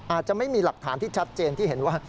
อาจจะไม่มีหลักฐานที่ชัดเจนที่เห็นว่า